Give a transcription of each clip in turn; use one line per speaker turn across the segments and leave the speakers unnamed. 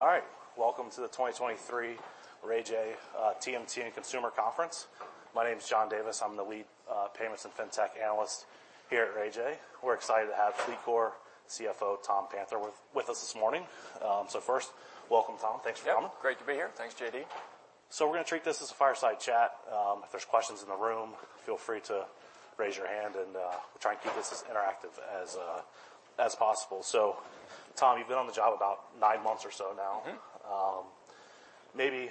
All right, welcome to the 2023 Raymond James TMT and Consumer Conference. My name is John Davis. I'm the lead payments and fintech analyst here at Raymond James. We're excited to have FleetCor CFO, Tom Panther, with us this morning. So first, welcome, Tom. Thanks for coming.
Yep. Great to be here. Thanks, JD.
So we're going to treat this as a fireside chat. If there's questions in the room, feel free to raise your hand, and we'll try and keep this as interactive as possible. So Tom, you've been on the job about nine months or so now.
Mm-hmm.
Maybe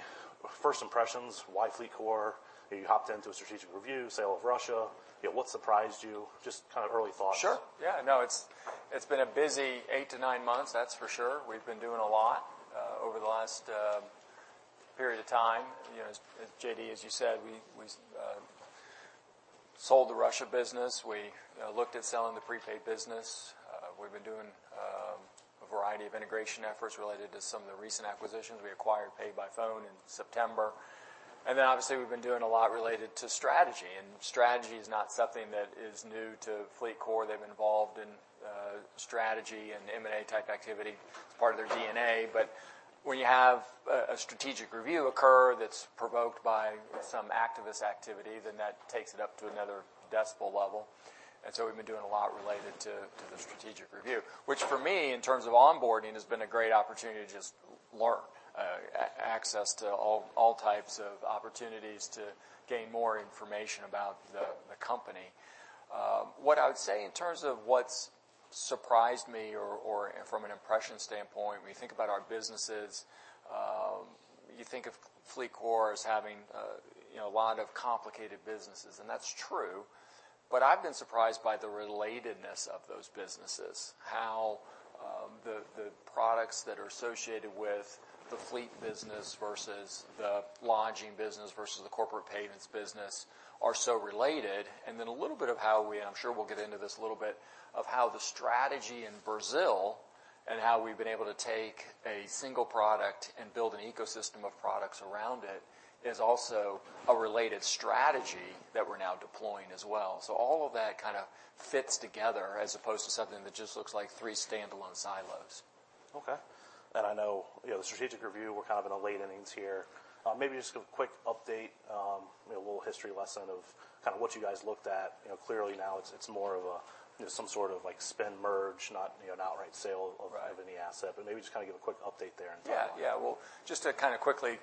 first impressions, why FleetCor? You hopped into a strategic review, sale of Russia. Yeah, what surprised you? Just kind of early thoughts.
Sure. Yeah, no, it's been a busy eight to nine months, that's for sure. We've been doing a lot over the last period of time. You know, as JD as you said, we sold the Russia business. We looked at selling the prepaid business. We've been doing a variety of integration efforts related to some of the recent acquisitions. We acquired PayByPhone in September, and then obviously, we've been doing a lot related to strategy, and strategy is not something that is new to FleetCor. They've been involved in strategy and M&A type activity. It's part of their DNA. But when you have a strategic review occur that's provoked by some activist activity, then that takes it up to another decibel level. And so we've been doing a lot related to the strategic review, which for me, in terms of onboarding, has been a great opportunity to just learn, access to all types of opportunities to gain more information about the company. What I would say in terms of what's surprised me, or from an impression standpoint, when you think about our businesses, you think of FleetCor as having, you know, a lot of complicated businesses, and that's true, but I've been surprised by the relatedness of those businesses, how the products that are associated with the fleet business versus the lodging business versus the corporate payments business are so related. And then a little bit of how we... I'm sure we'll get into this a little bit of how the strategy in Brazil and how we've been able to take a single product and build an ecosystem of products around it is also a related strategy that we're now deploying as well. All of that kind of fits together, as opposed to something that just looks like three standalone silos.
Okay. And I know, you know, the strategic review, we're kind of in the late innings here. Maybe just a quick update, you know, a little history lesson of kind of what you guys looked at. You know, clearly now it's more of a, you know, some sort of, like, spin merge, not, you know, an outright sale of
Right
any asset, but maybe just kind of give a quick update there and
Yeah, yeah. Well, just to kind of quickly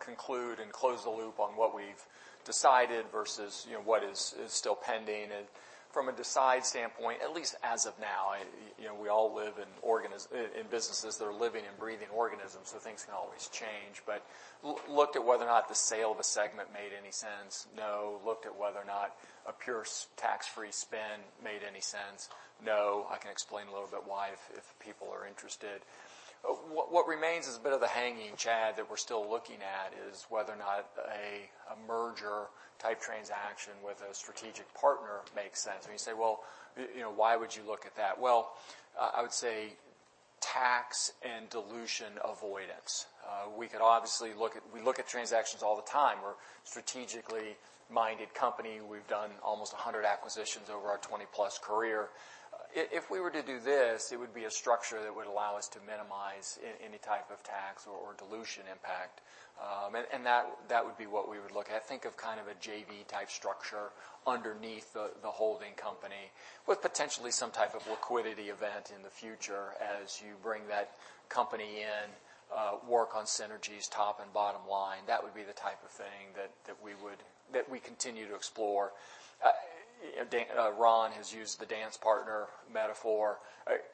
conclude and close the loop on what we've decided versus, you know, what is still pending, and from a decision standpoint, at least as of now, you know, we all live in businesses that are living and breathing organisms, so things can always change. But looked at whether or not the sale of a segment made any sense. No. Looked at whether or not a pure tax-free spin made any sense. No. I can explain a little bit why, if people are interested. What remains is a bit of a hanging chad that we're still looking at: whether or not a merger-type transaction with a strategic partner makes sense. When you say, "Well, you know, why would you look at that?" Well, I would say tax and dilution avoidance. We could obviously look at, we look at transactions all the time. We're a strategically minded company. We've done almost 100 acquisitions over our 20+ career. If we were to do this, it would be a structure that would allow us to minimize any type of tax or dilution impact. And that would be what we would look at. Think of kind of a JV-type structure underneath the holding company, with potentially some type of liquidity event in the future as you bring that company in, work on synergies, top and bottom line. That would be the type of thing that we would, that we continue to explore. And Ron has used the dance partner metaphor.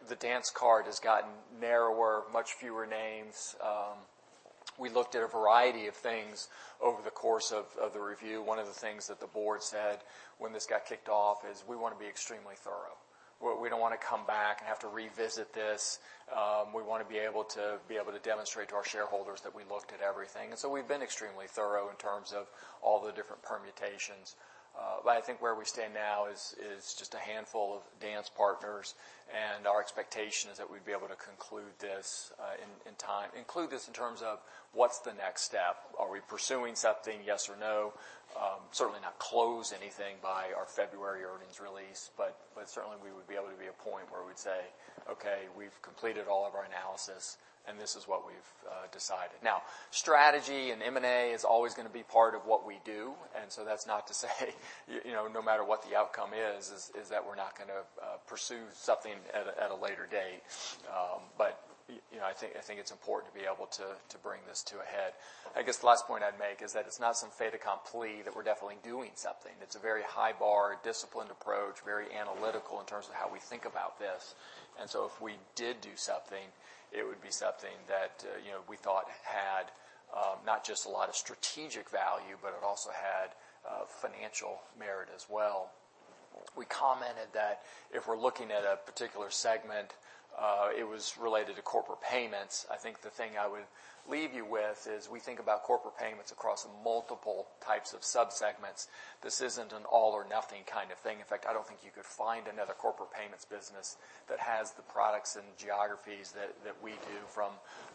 The dance card has gotten narrower, much fewer names. We looked at a variety of things over the course of the review. One of the things that the board said when this got kicked off is, "We want to be extremely thorough. We don't want to come back and have to revisit this. We want to be able to demonstrate to our shareholders that we looked at everything." And so we've been extremely thorough in terms of all the different permutations. But I think where we stand now is just a handful of dance partners, and our expectation is that we'd be able to conclude this in time. Conclude this in terms of, what's the next step? Are we pursuing something, yes or no? Certainly not close anything by our February earnings release, but certainly, we would be able to be at a point where we'd say, "Okay, we've completed all of our analysis, and this is what we've decided." Now, strategy and M&A is always going to be part of what we do, and so that's not to say, you know, no matter what the outcome is, that we're not going to pursue something at a later date. But you know, I think it's important to be able to bring this to a head. I guess the last point I'd make is that it's not some fait accompli that we're definitely doing something. It's a very high bar, a disciplined approach, very analytical in terms of how we think about this. And so if we did do something, it would be something that, you know, we thought had, not just a lot of strategic value, but it also had, financial merit as well. We commented that if we're looking at a particular segment, it was related to corporate payments. I think the thing I would leave you with is, we think about corporate payments across multiple types of subsegments. This isn't an all-or-nothing kind of thing. In fact, I don't think you could find another corporate payments business that has the products and geographies that, that we do, from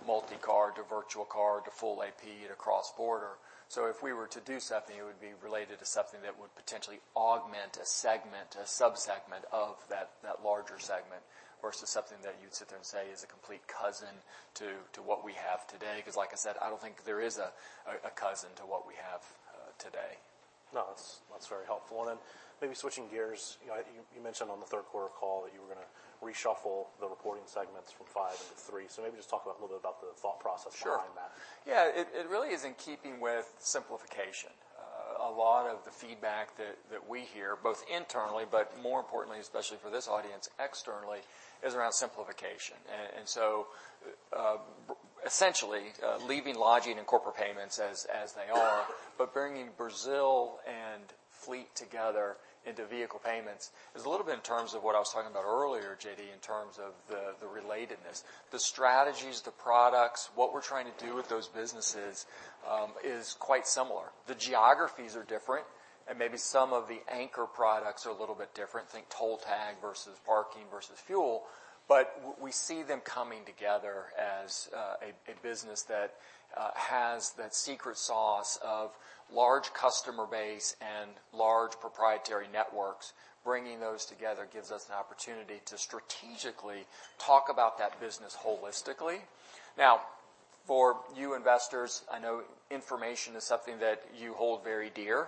multi-card to virtual card to full AP and cross-border. So if we were to do something, it would be related to something that would potentially augment a segment, a subsegment of that, that larger segment, versus something that you'd sit there and say is a complete cousin to what we have today. Because like I said, I don't think there is a cousin to what we have today.
No, that's very helpful. And then maybe switching gears, you know, you mentioned on the Q3 call that you were gonna reshuffle the reporting segments from five into three. So maybe just talk a little bit about the thought process behind that.
Sure. Yeah, it really is in keeping with simplification. A lot of the feedback that we hear, both internally, but more importantly, especially for this audience, externally, is around simplification. And so, essentially, leaving lodging and corporate payments as they are, but bringing Brazil and fleet together into vehicle payments, is a little bit in terms of what I was talking about earlier, JD, in terms of the relatedness. The strategies, the products, what we're trying to do with those businesses, is quite similar. The geographies are different, and maybe some of the anchor products are a little bit different. Think toll tag versus parking versus fuel. But we see them coming together as a business that has that secret sauce of large customer base and large proprietary networks. Bringing those together gives us an opportunity to strategically talk about that business holistically. Now, for you investors, I know information is something that you hold very dear.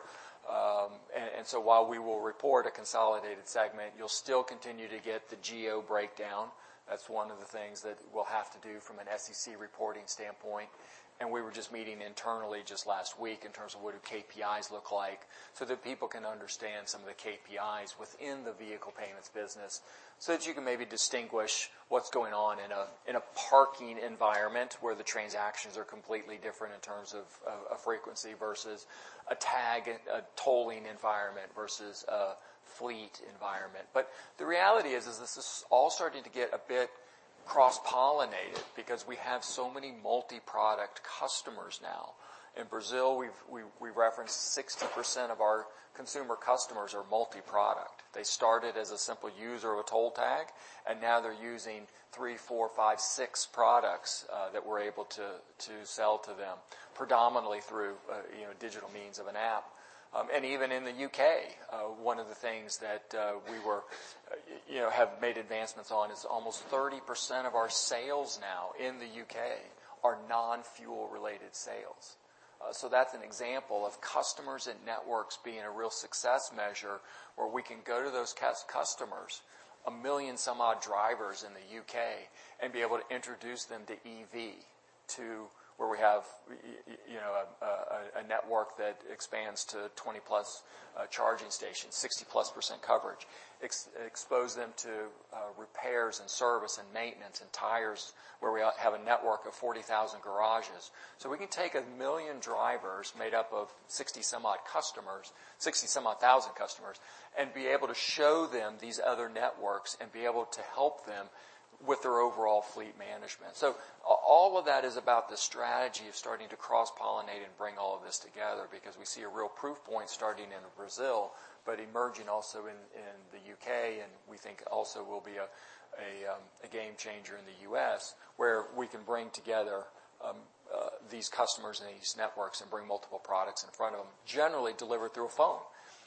And so while we will report a consolidated segment, you'll still continue to get the geo breakdown. That's one of the things that we'll have to do from an SEC reporting standpoint. And we were just meeting internally just last week in terms of what do KPIs look like, so that people can understand some of the KPIs within the vehicle payments business. So that you can maybe distinguish what's going on in a, in a parking environment, where the transactions are completely different in terms of, of, of frequency, versus a tag, a tolling environment, versus a fleet environment. But the reality is, is this is all starting to get a bit cross-pollinated, because we have so many multi-product customers now. In Brazil, we've referenced 60% of our consumer customers are multi-product. They started as a simple user of a toll tag, and now they're using three, four, five, six products that we're able to sell to them, predominantly through, you know, digital means of an app. And even in the UK, one of the things that we were, you know, have made advancements on, is almost 30% of our sales now in the UK are non-fuel related sales. So that's an example of customers and networks being a real success measure, where we can go to those customers, a million-some-odd drivers in the U.K., and be able to introduce them to EV, to where we have, you know, a network that expands to 20+ charging stations, 60%+ coverage. Expose them to repairs and service and maintenance and tires, where we have a network of 40,000 garages. So we can take a million drivers made up of 60-some-odd customers, 60-some-odd thousand customers, and be able to show them these other networks, and be able to help them with their overall fleet management. So all of that is about the strategy of starting to cross-pollinate and bring all of this together, because we see a real proof point starting in Brazil, but emerging also in the U.K., and we think also will be a game changer in the U.S., where we can bring together these customers and these networks, and bring multiple products in front of them, generally delivered through a phone.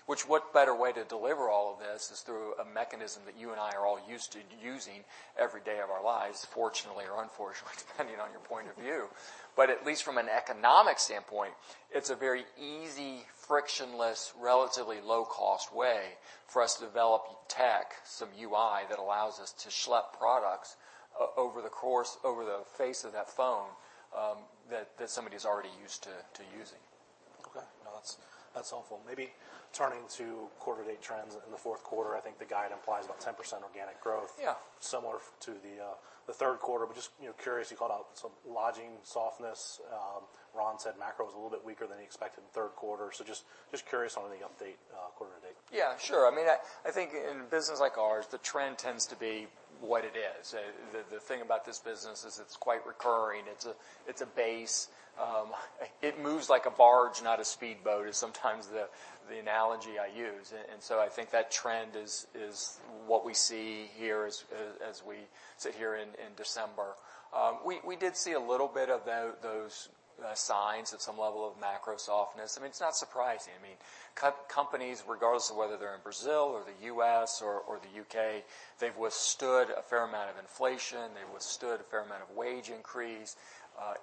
Which, what better way to deliver all of this, is through a mechanism that you and I are all used to using every day of our lives, fortunately or unfortunately, depending on your point of view. But at least from an economic standpoint, it's a very easy, frictionless, relatively low-cost way for us to develop tech, some UI, that allows us to schlep products over the face of that phone, that somebody's already used to using.
Okay. No, that's, that's helpful. Maybe turning to quarter-to-date trends in the Q4, I think the guide implies about 10% organic growth.
Yeah.
Similar to the Q3. But just, you know, curious, you called out some lodging softness. Ron said macro was a little bit weaker than he expected in the Q3. So just curious on the update, quarter to date.
Yeah, sure. I mean, I think in a business like ours, the trend tends to be what it is. The thing about this business is it's quite recurring. It's a base. It moves like a barge, not a speedboat, is sometimes the analogy I use. And so I think that trend is what we see here as we sit here in December. We did see a little bit of those signs at some level of macro softness. I mean, it's not surprising. I mean, companies, regardless of whether they're in Brazil or the U.S. or the U.K., they've withstood a fair amount of inflation, they've withstood a fair amount of wage increase,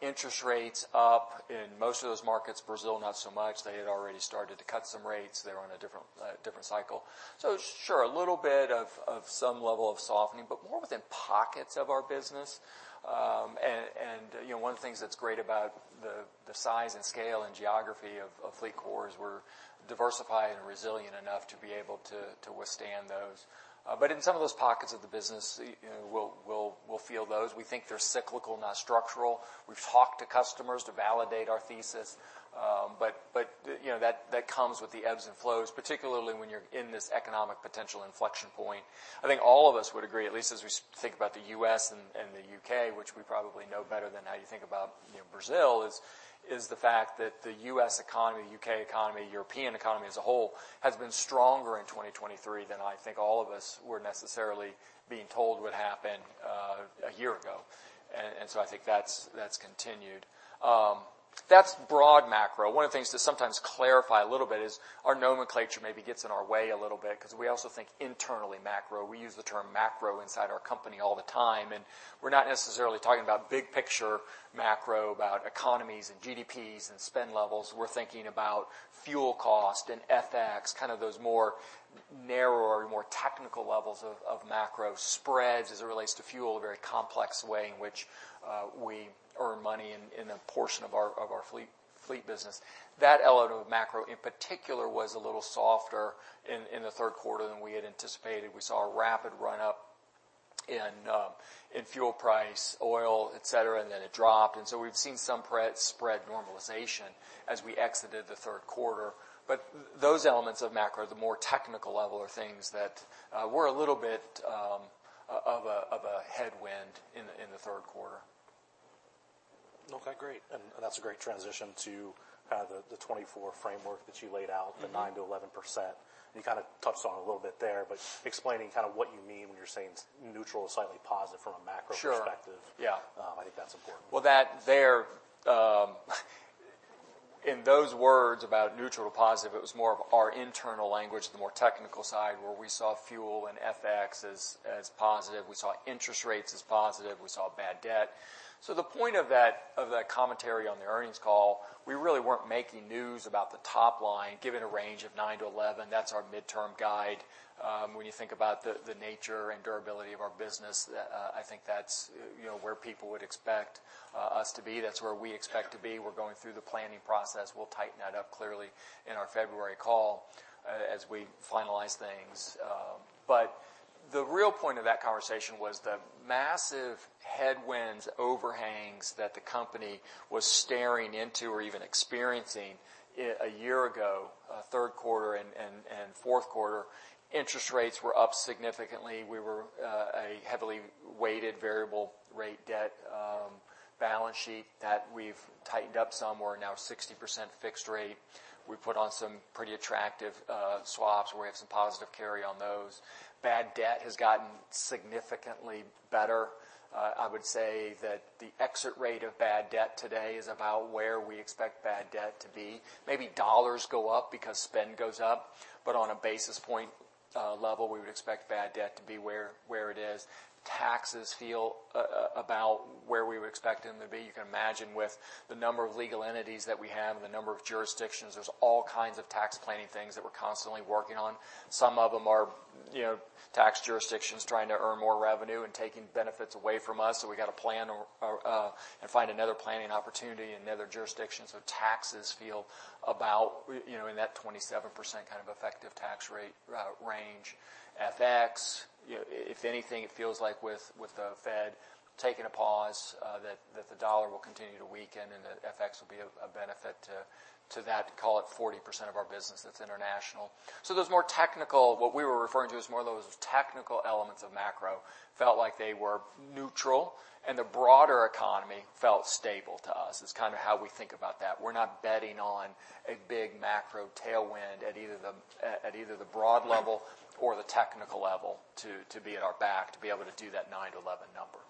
interest rates up in most of those markets. Brazil, not so much. They had already started to cut some rates. They're on a different cycle. So sure, a little bit of some level of softening, but more within pockets of our business. And you know, one of the things that's great about the size and scale and geography of FleetCor is we're diversified and resilient enough to be able to withstand those. But in some of those pockets of the business, you know, we'll feel those. We think they're cyclical, not structural. We've talked to customers to validate our thesis. But you know, that comes with the ebbs and flows, particularly when you're in this economic potential inflection point. I think all of us would agree, at least as we think about the U.S. and, and the U.K., which we probably know better than how you think about, you know, Brazil, is, is the fact that the U.S. economy, U.K. economy, European economy as a whole, has been stronger in 2023 than I think all of us were necessarily being told would happen, a year ago. And, and so I think that's, that's continued. That's broad macro. One of the things to sometimes clarify a little bit is our nomenclature maybe gets in our way a little bit, 'cause we also think internally macro. We use the term macro inside our company all the time, and we're not necessarily talking about big picture macro, about economies and GDPs and spend levels. We're thinking about fuel cost and FX, kind of those more narrower, more technical levels of macro spreads as it relates to fuel, a very complex way in which we earn money in a portion of our fleet business. That element of macro, in particular, was a little softer in the Q3 than we had anticipated. We saw a rapid run-up in fuel price, oil, et cetera, and then it dropped. And so we've seen some price-spread normalization as we exited the Q3. But those elements of macro, the more technical level, are things that were a little bit of a headwind in the Q3.
Okay, great. That's a great transition to kind of the 2024 framework that you laid out
Mm-hmm.
the 9% to 11%. You kind of touched on it a little bit there, but explaining kind of what you mean when you're saying neutral to slightly positive from a macro perspective
Sure. Yeah.
I think that's important.
Well, that there, in those words about neutral to positive, it was more of our internal language, the more technical side, where we saw fuel and FX as positive. We saw interest rates as positive. We saw bad debt. So the point of that, of that commentary on the earnings call, we really weren't making news about the top line. Given a range of 9 to 11, that's our midterm guide. When you think about the, the nature and durability of our business, I think that's, you know, where people would expect, us to be. That's where we expect to be. We're going through the planning process. We'll tighten that up, clearly, in our February call, as we finalize things. But the real point of that conversation was the massive headwinds, overhangs that the company was staring into or even experiencing a year ago, Q3 and Q4. Interest rates were up significantly. We were a heavily weighted variable rate debt balance sheet that we've tightened up some. We're now 60% fixed rate. We put on some pretty attractive swaps, where we have some positive carry on those. Bad debt has gotten significantly better. I would say that the exit rate of bad debt today is about where we expect bad debt to be. Maybe dollars go up because spend goes up, but on a basis point level, we would expect bad debt to be where it is. Taxes feel about where we would expect them to be. You can imagine with the number of legal entities that we have and the number of jurisdictions, there's all kinds of tax planning things that we're constantly working on. Some of them are, you know, tax jurisdictions trying to earn more revenue and taking benefits away from us, so we got to plan or and find another planning opportunity in another jurisdiction. So taxes feel about, you know, in that 27% kind of effective tax rate range. FX, you know, if anything, it feels like with the Fed taking a pause that the dollar will continue to weaken and that FX will be a benefit to that, call it, 40% of our business that's international. So, what we were referring to as more those technical elements of macro felt like they were neutral, and the broader economy felt stable to us, is kind of how we think about that. We're not betting on a big macro tailwind at either the broad level or the technical level to be at our back to be able to do that 9 to 11 number.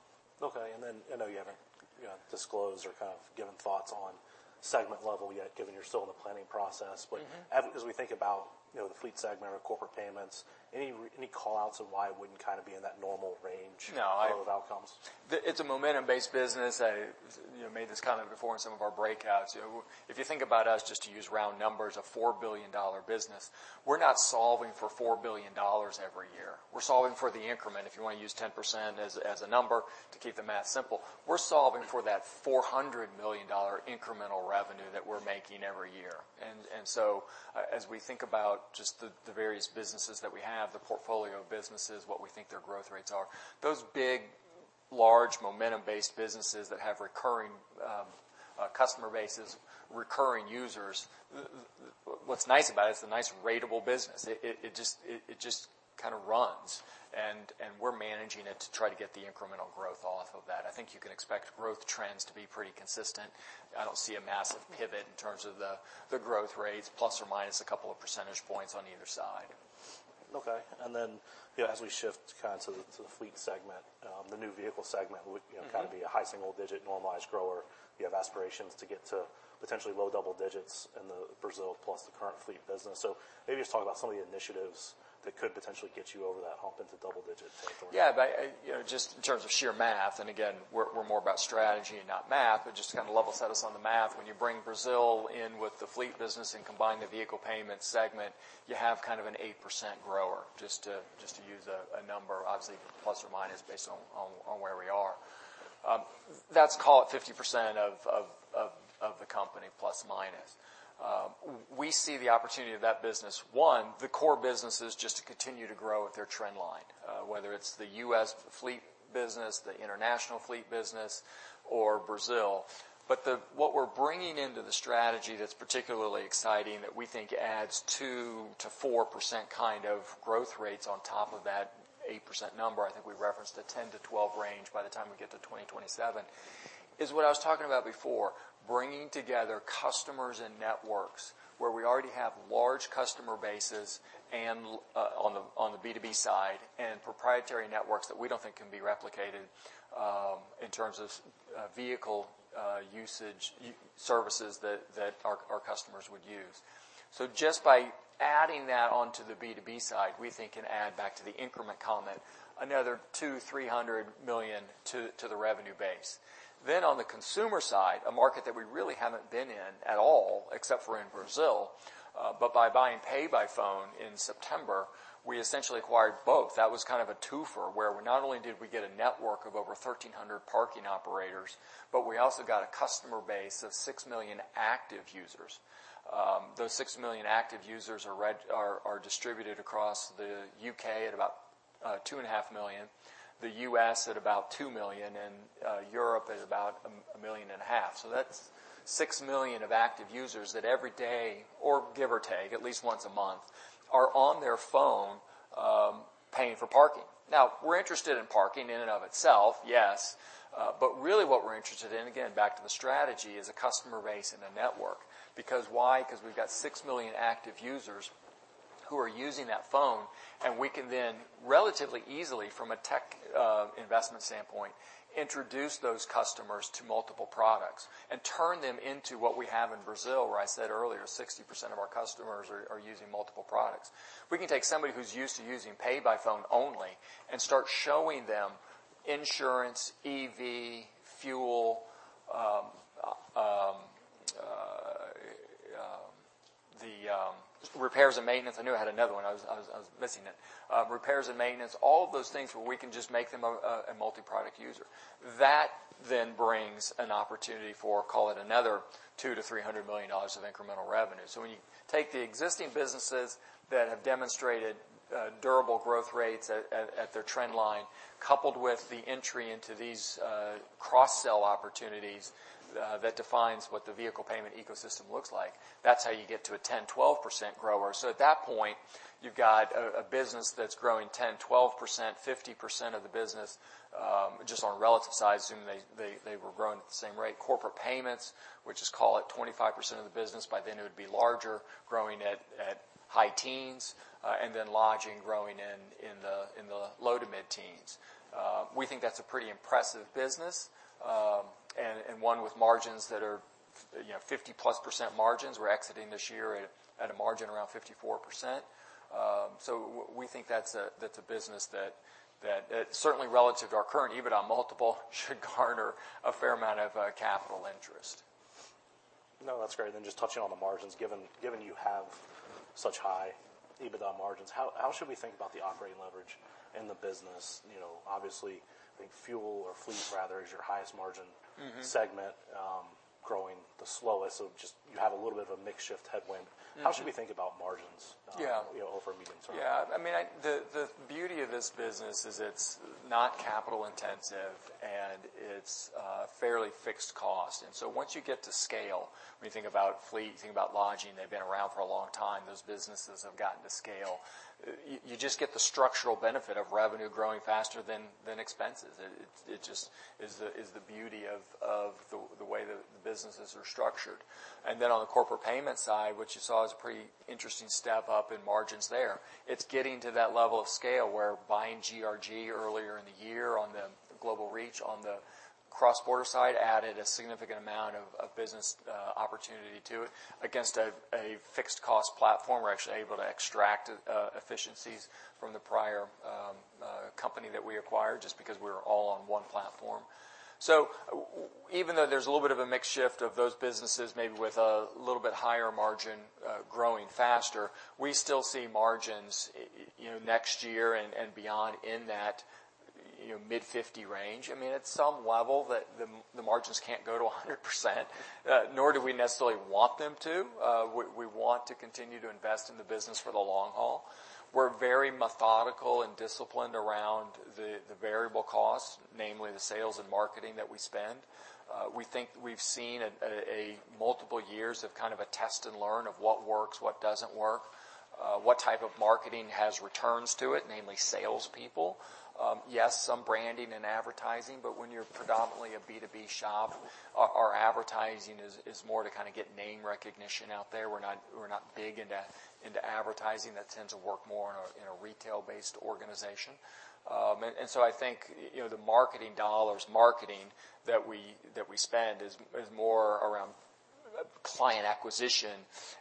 Okay, and then I know you haven't, you know, disclosed or kind of given thoughts on segment level yet, given you're still in the planning process.
Mm-hmm.
But as we think about, you know, the fleet segment or corporate payments, any call-outs of why it wouldn't kind of be in that normal range?
No, I
growth outcomes?
It's a momentum-based business. I, you know, made this comment before in some of our breakouts. You know, if you think about us, just to use round numbers, a $4 billion business, we're not solving for $4 billion every year. We're solving for the increment. If you want to use 10% as, as a number to keep the math simple, we're solving for that $400 million incremental revenue that we're making every year. And, and so as we think about just the, the various businesses that we have, the portfolio of businesses, what we think their growth rates are, those big, large, momentum-based businesses that have recurring, customer bases, recurring users, what's nice about it, it's a nice ratable business. It just kind of runs, and we're managing it to try to get the incremental growth off of that. I think you can expect growth trends to be pretty consistent. I don't see a massive pivot in terms of the growth rates, plus or minus a couple of percentage points on either side.
Okay. And then, you know, as we shift kind of to the fleet segment, the new vehicle segment would, you know
Mm-hmm
kind of be a high single digit, normalized grower. You have aspirations to get to potentially low double digits in the Brazil plus the current fleet business. So maybe just talk about some of the initiatives that could potentially get you over that hump into double digits going forward?
Yeah, but, you know, just in terms of sheer math, and again, we're more about strategy and not math, but just to kind of level set us on the math, when you bring Brazil in with the fleet business and combine the vehicle payment segment, you have kind of an 8% grower, just to use a number, obviously ±, based on where we are. That's, call it, 50% of the company, ±. We see the opportunity of that business, one, the core businesses just to continue to grow at their trend line, whether it's the U.S. fleet business, the international fleet business, or Brazil. But what we're bringing into the strategy that's particularly exciting, that we think adds 2% to 4% kind of growth rates on top of that 8% number, I think we referenced a 10 to 12 range by the time we get to 2027, is what I was talking about before, bringing together customers and networks, where we already have large customer bases and, on the B2B side, and proprietary networks that we don't think can be replicated in terms of vehicle usage services that our customers would use. So just by adding that onto the B2B side, we think can add, back to the increment comment, another $200 million to $300 million to the revenue base. Then on the consumer side, a market that we really haven't been in at all, except for in Brazil, but by buying PayByPhone in September, we essentially acquired both. That was kind of a twofer, where not only did we get a network of over 1,300 parking operators, but we also got a customer base of 6 million active users. Those 6 million active users are distributed across the U.K. at about 2.5 million, the U.S. at about 2 million, and Europe at about 1.5 million. So that's 6 million active users that every day, or give or take, at least once a month, are on their phone, paying for parking. Now, we're interested in parking in and of itself, yes, but really what we're interested in, again, back to the strategy, is a customer base and a network. Because why? Because we've got 6 million active users who are using that phone, and we can then, relatively easily, from a tech investment standpoint, introduce those customers to multiple products and turn them into what we have in Brazil, where I said earlier, 60% of our customers are using multiple products. We can take somebody who's used to using PayByPhone only and start showing them insurance, EV, fuel, repairs and maintenance. I knew I had another one. I was missing it. Repairs and maintenance, all of those things where we can just make them a multiproduct user. That then brings an opportunity for, call it, another $200 million to $300 million of incremental revenue. So when you take the existing businesses that have demonstrated durable growth rates at their trend line, coupled with the entry into these cross-sell opportunities, that defines what the vehicle payment ecosystem looks like, that's how you get to a 10% to 12% grower. So at that point, you've got a business that's growing 10% to 12%, 50% of the business, just on relative size, assuming they were growing at the same rate. Corporate payments, which is, call it, 25% of the business, by then it would be larger, growing at high teens, and then lodging growing in the low-to-mid teens. We think that's a pretty impressive business, and one with margins that are, you know, 50+% margins. We're exiting this year at a margin around 54%. So we think that's a business that certainly relative to our current EBITDA multiple, should garner a fair amount of capital interest.
No, that's great. Then just touching on the margins, given you have such high EBITDA margins, how should we think about the operating leverage in the business? You know, obviously, I think fuel or fleet, rather, is your highest margin-
Mm-hmm.
segment, growing the slowest, so just you have a little bit of a mix-shift headwind.
Mm-hmm.
How should we think about margins?
Yeah
you know, over a medium term?
Yeah. I mean, the beauty of this business is it's not capital intensive, and it's fairly fixed cost. And so once you get to scale, when you think about fleet, you think about lodging, they've been around for a long time, those businesses have gotten to scale, you just get the structural benefit of revenue growing faster than expenses. It just is the beauty of the way the businesses are structured. And then on the corporate payment side, which you saw is a pretty interesting step up in margins there, it's getting to that level of scale where buying GRG earlier in the year on the Global Reach on the cross-border side added a significant amount of business opportunity to it. Against a fixed cost platform, we're actually able to extract efficiencies from the prior company that we acquired, just because we're all on one platform. So even though there's a little bit of a mix shift of those businesses, maybe with a little bit higher margin, growing faster, we still see margins, you know, next year and beyond in that, you know, mid-50% range. I mean, at some level, the margins can't go to 100%, nor do we necessarily want them to. We want to continue to invest in the business for the long haul. We're very methodical and disciplined around the variable costs, namely the sales and marketing that we spend. We think we've seen multiple years of kind of a test and learn of what works, what doesn't work, what type of marketing has returns to it, namely salespeople. Yes, some branding and advertising, but when you're predominantly a B2B shop, our advertising is more to kind of get name recognition out there. We're not big into advertising. That tends to work more in a retail-based organization. So I think, you know, the marketing dollars, marketing that we spend is more around client acquisition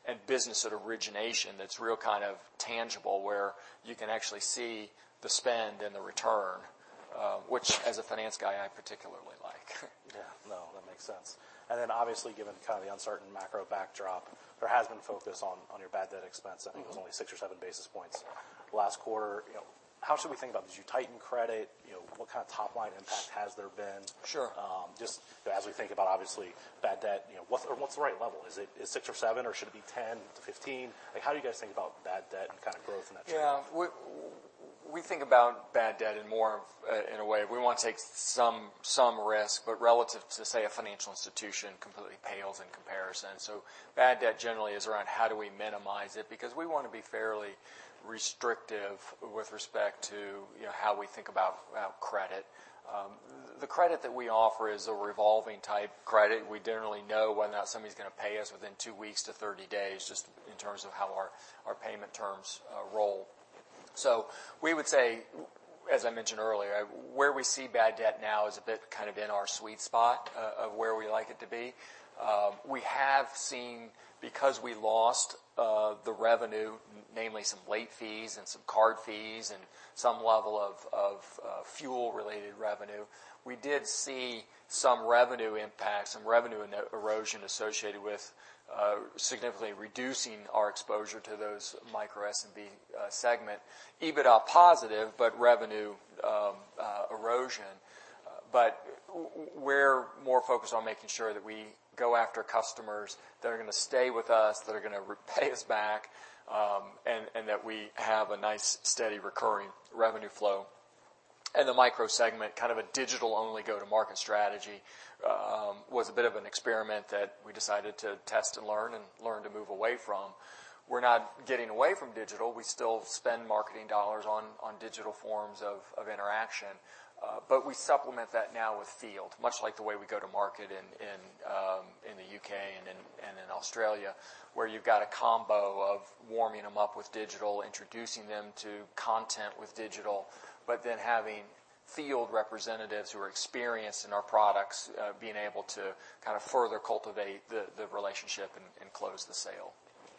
and business at origination, that's real kind of tangible, where you can actually see the spend and the return, which as a finance guy, I particularly like.
Yeah. No, that makes sense. And then obviously, given kind of the uncertain macro backdrop, there has been focus on your bad debt expense.
Mm-hmm.
I think it was only 6 or 7 basis points last quarter. You know, how should we think about? Did you tighten credit? You know, what kind of top-line impact has there been?
Sure.
Just as we think about, obviously, bad debt, you know, what's the right level? Is it six or seven, or should it be 10 to 15? Like, how do you guys think about bad debt and kind of growth in that space?
Yeah. We think about bad debt in more of a, in a way, we want to take some risk, but relative to, say, a financial institution, completely pales in comparison. So bad debt generally is around: How do we minimize it? Because we want to be fairly restrictive with respect to, you know, how we think about about credit. The credit that we offer is a revolving-type credit. We generally know whether or not somebody's gonna pay us within two weeks to 30 days, just in terms of how our payment terms roll. So we would say, as I mentioned earlier, where we see bad debt now is a bit, kind of in our sweet spot, of where we like it to be. We have seen, because we lost the revenue, namely some late fees and some card fees, and some level of fuel-related revenue, we did see some revenue impact, some revenue and erosion associated with significantly reducing our exposure to those micro SMB segment. EBITDA positive, but revenue erosion. But we're more focused on making sure that we go after customers that are gonna stay with us, that are gonna repay us back, and that we have a nice, steady, recurring revenue flow. And the micro segment, kind of a digital-only go-to-market strategy, was a bit of an experiment that we decided to test and learn, and learn to move away from. We're not getting away from digital. We still spend marketing dollars on digital forms of interaction, but we supplement that now with field, much like the way we go to market in the U.K. and in Australia, where you've got a combo of warming them up with digital, introducing them to content with digital, but then having field representatives, who are experienced in our products, being able to kind of further cultivate the relationship and close the sale.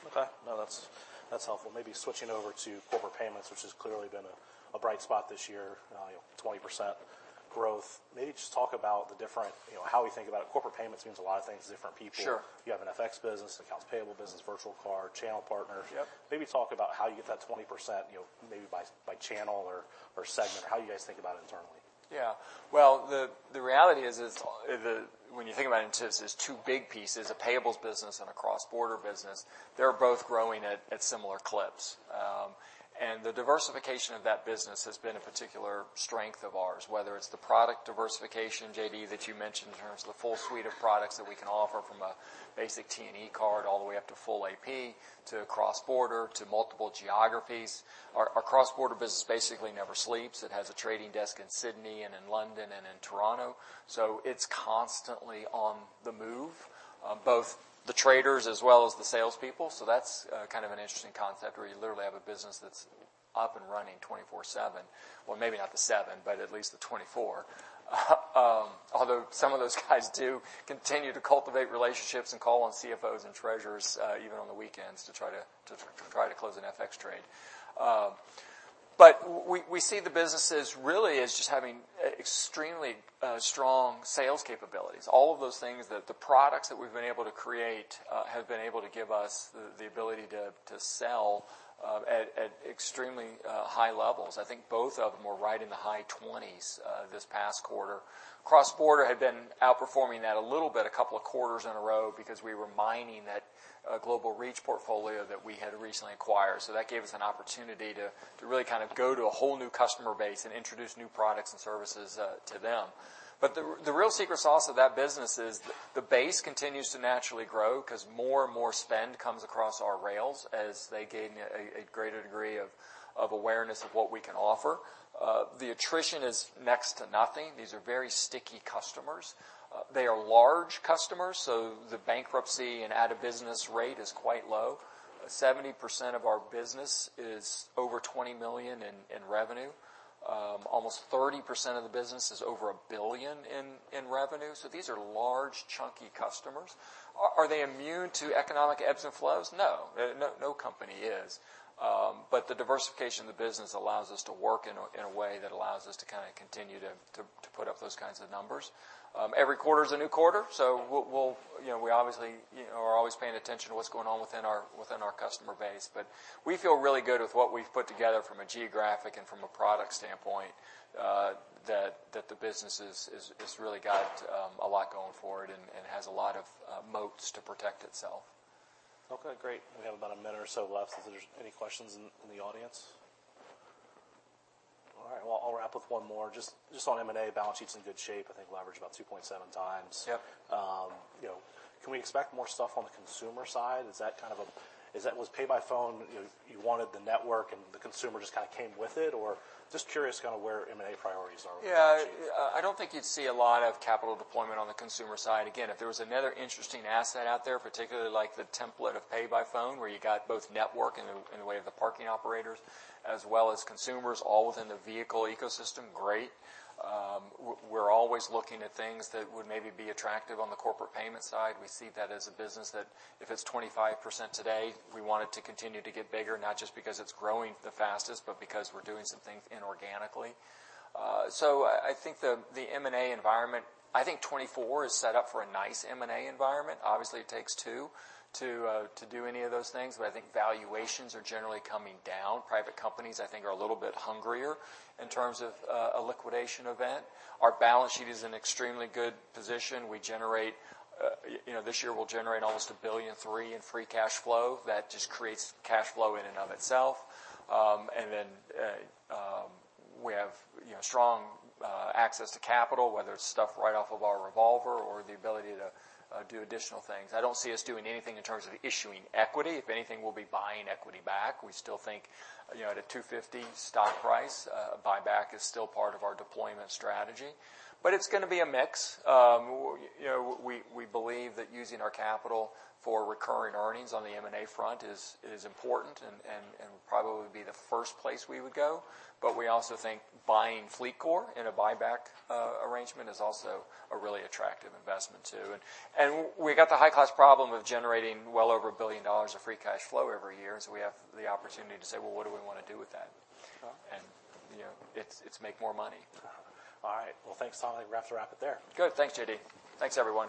Okay. No, that's, that's helpful. Maybe switching over to corporate payments, which has clearly been a bright spot this year, you know, 20% growth. Maybe just talk about the different, you know, how we think about it. Corporate payments means a lot of things to different people.
Sure.
You have an FX business, accounts payable business, virtual card, channel partners.
Yep.
Maybe talk about how you get that 20%, you know, maybe by channel or segment. How you guys think about it internally?
Yeah. Well, the reality is, when you think about our business, there's two big pieces, a payables business and a cross-border business. They're both growing at similar clips. And the diversification of that business has been a particular strength of ours, whether it's the product diversification, JD, that you mentioned, in terms of the full suite of products that we can offer, from a basic T&E card, all the way up to full AP, to cross-border, to multiple geographies. Our cross-border business basically never sleeps. It has a trading desk in Sydney, and in London, and in Toronto, so it's constantly on the move, both the traders as well as the salespeople. So that's kind of an interesting concept, where you literally have a business that's up and running 24/7. Well, maybe not the seven, but at least the 24. Although some of those guys do continue to cultivate relationships and call on CFOs and treasurers, even on the weekends, to try to close an FX trade. But we see the business as really just having extremely strong sales capabilities. All of those things that the products that we've been able to create have been able to give us the ability to sell at extremely high levels. I think both of them were right in the high twenties this past quarter. Cross-border had been outperforming that a little bit, a couple of quarters in a row, because we were mining that Global Reach portfolio that we had recently acquired. So that gave us an opportunity to really kind of go to a whole new customer base and introduce new products and services to them. But the real secret sauce of that business is the base continues to naturally grow, 'cause more and more spend comes across our rails as they gain a greater degree of awareness of what we can offer. The attrition is next to nothing. These are very sticky customers. They are large customers, so the bankruptcy and out-of-business rate is quite low. 70% of our business is over $20 million in revenue. Almost 30% of the business is over $1 billion in revenue, so these are large, chunky customers. Are they immune to economic ebbs and flows? No. No company is. But the diversification of the business allows us to work in a way that allows us to kind of continue to put up those kinds of numbers. Every quarter is a new quarter, so we'll, you know, we obviously, you know, are always paying attention to what's going on within our customer base. But we feel really good with what we've put together from a geographic and from a product standpoint, that the business has really got a lot going for it and has a lot of moats to protect itself.
Okay, great. We have about a minute or so left. Is there any questions in the audience? All right, well, I'll wrap with one more. Just on M&A, balance sheet's in good shape, I think leverage about 2.7x.
Yep.
You know, can we expect more stuff on the consumer side? Is that kind of a, is that, was PayByPhone, you know, you wanted the network, and the consumer just kind of came with it? Or just curious kind of where M&A priorities are with that.
Yeah. I don't think you'd see a lot of capital deployment on the consumer side. Again, if there was another interesting asset out there, particularly like the template of PayByPhone, where you got both network in the, in the way of the parking operators, as well as consumers, all within the vehicle ecosystem, great. We're always looking at things that would maybe be attractive on the corporate payments side. We see that as a business that, if it's 25% today, we want it to continue to get bigger, not just because it's growing the fastest, but because we're doing some things inorganically. So I think the M&A environment. I think 2024 is set up for a nice M&A environment. Obviously, it takes two to do any of those things, but I think valuations are generally coming down. Private companies, I think, are a little bit hungrier in terms of a liquidation event. Our balance sheet is in extremely good position. You know, this year we'll generate almost $1.003 billion in free cash flow. That just creates cash flow in and of itself. And then, we have, you know, strong access to capital, whether it's stuff right off of our revolver or the ability to do additional things. I don't see us doing anything in terms of issuing equity. If anything, we'll be buying equity back. We still think, you know, at a $250 stock price, buyback is still part of our deployment strategy, but it's gonna be a mix. You know, we believe that using our capital for recurring earnings on the M&A front is important and probably would be the first place we would go. But we also think buying FleetCor in a buyback arrangement is also a really attractive investment, too. And we got the high-cost problem of generating well over $1 billion of free cash flow every year, so we have the opportunity to say, "Well, what do we want to do with that?
Sure.
You know, it's make more money.
All right. Well, thanks, Tommy. We'll have to wrap it there.
Good. Thanks, JD. Thanks, everyone.